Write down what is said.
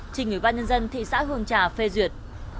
trình ủy ban nhân dân thị xã hương trà phê duyệt